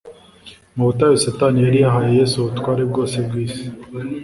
Mu butayu Satani yari yahaye Yesu ubutware bwose bw'isi